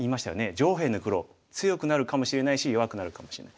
上辺の黒強くなるかもしれないし弱くなるかもしれない。